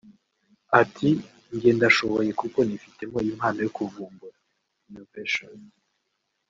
Ati “ Jjye ndashoboye kuko nifitemo impano yo kuvumbura (Innovation)